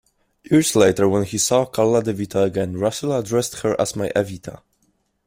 Years later when he saw Karla DeVito again, Russell addressed her as My Evita.